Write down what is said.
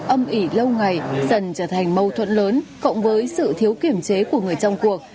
âm ỉ lâu ngày dần trở thành mâu thuẫn lớn cộng với sự thiếu kiểm chế của người trong cuộc